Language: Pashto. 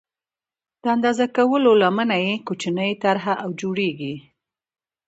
د اندازه کولو لمنه یې کوچنۍ طرحه او جوړېږي.